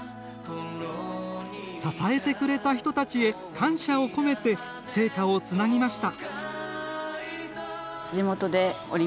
支えてくれた人たちへ感謝を込めて聖火をつなぎました。